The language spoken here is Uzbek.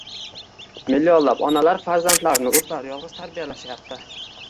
Millionlab onalar farzandlarini o‘zlari yolg‘iz tarbiyalashyapti.